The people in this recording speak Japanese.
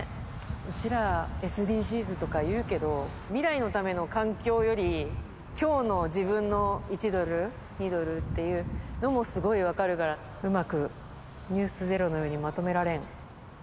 うちら、ＳＤＧｓとか言うけど、未来のための環境より、きょうの自分の１ドル、２ドルっていうのもすごい分かるから、うまくｎｅｗｓｚｅｒｏのようにまとめられん。